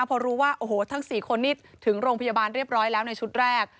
พอรู้ว่าโอ้โหทั้ง๔คนนี้ถึงโรงพยาบาลเรียบร้อยแล้วในชุดแรก